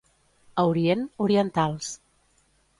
A Orient, orientals.